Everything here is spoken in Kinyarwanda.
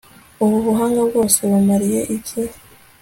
ubu buhanga bwose bumariye iki